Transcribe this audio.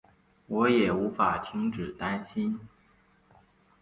我也无法停止担心